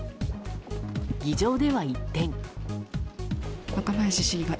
議場では一転。